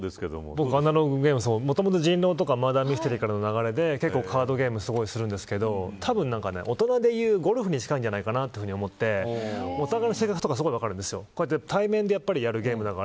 僕、アナログゲームもともと人狼とかマーダーミステリーの流れでカードゲームすごいするんですけどたぶん大人でいうゴルフに近いんじゃないかと思ってお互いの性格とかすごい分かるんですよ。